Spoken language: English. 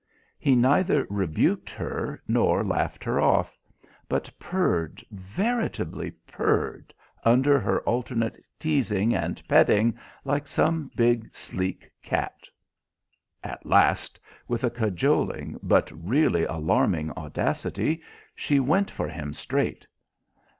He neither rebuked her nor laughed her off; but purred, veritably purred, under her alternate teasing and petting like some big, sleek cat. At last, with a cajoling but really alarming audacity, she went for him straight.